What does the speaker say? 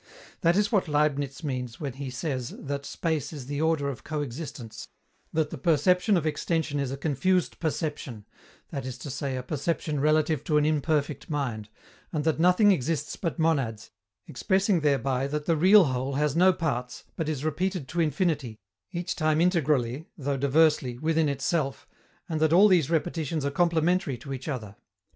That is what Leibniz means when he says that space is the order of coexistents, that the perception of extension is a confused perception (that is to say, a perception relative to an imperfect mind), and that nothing exists but monads, expressing thereby that the real Whole has no parts, but is repeated to infinity, each time integrally (though diversely) within itself, and that all these repetitions are complementary to each other.